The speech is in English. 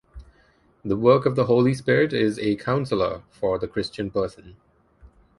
The work of the Holy Spirit is as a "counselor" for the Christian person.